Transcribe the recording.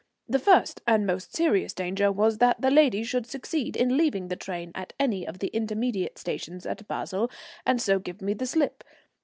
The first and most serious danger was that the lady should succeed in leaving the train at any of the intermediate stations at Basle, and so give me the slip.